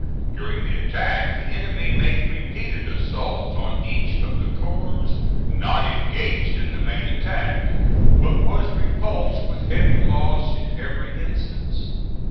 During the attack the enemy made repeated assaults on each of the corps not engaged in the main attack, but was repulsed with heavy loss in every instance.